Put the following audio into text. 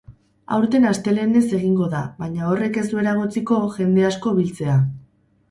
Aurten astelehenez egingo da, baina horrek ez du eragotziko jende asko biltzea.